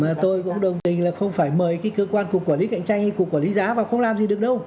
và tôi cũng đồng tình là không phải mời cái cơ quan cục quản lý cạnh tranh hay cục quản lý giá vào không làm gì được đâu